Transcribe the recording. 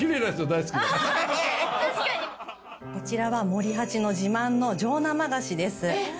こちらは森八の自慢の上生菓子です。